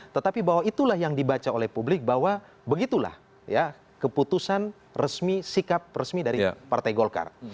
tetapi bahwa itulah yang dibaca oleh publik bahwa begitulah ya keputusan resmi sikap resmi dari partai golkar